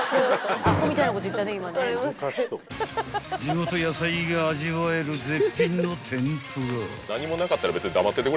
［地元野菜が味わえる絶品の天ぷら］